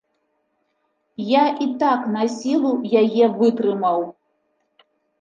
Я і так насілу яе вытрымаў.